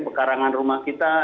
pekarangan rumah kita